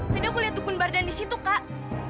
tadi aku lihat dukun bardan disitu kak